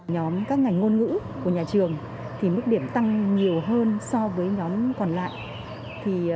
nhóm các ngành ngôn ngữ của nhà trường thì mức điểm tăng nhiều hơn so với nhóm còn lại